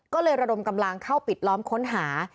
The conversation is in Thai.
ก็เลยระดมกำลังเข้าปิดล้อมค้นหา